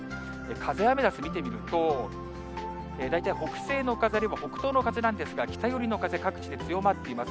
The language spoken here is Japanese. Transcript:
風アメダス見てみると、大体、北西の風、あるいは北東の風なんですが、北寄りの風、各地で強まっています。